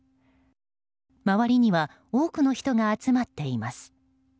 周りには多くの人が集まっています。